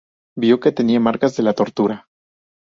Vio que tenía marcas de la tortura.